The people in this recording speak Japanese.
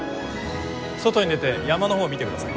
外に出て山の方を見てください。